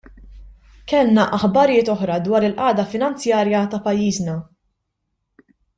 Kellna aħbarijiet oħra dwar il-qagħda finanzjarja ta' pajjiżna.